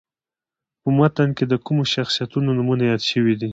په متن کې د کومو شخصیتونو نومونه یاد شوي دي.